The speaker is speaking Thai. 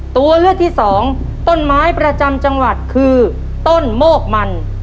ตัวเลือกที่สองต้นไม้ประจำจังหวัดคือต้นโมกมัน